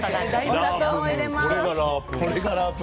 お砂糖を入れます。